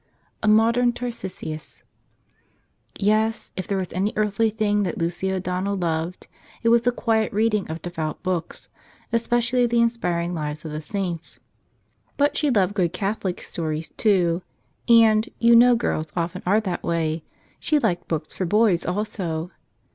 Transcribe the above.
97 a 6©oDern Catsrtcius IF there was any earthly thing that Lucy O'Donnell loved, it was the quiet reading of devout books, — especially the inspiring lives of the saints. But she loved good Catholic story books, too. And — you know girls often are that way — she liked books for boys also.